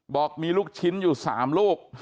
บอกมีลูกชิ้นอยู่๓ลูก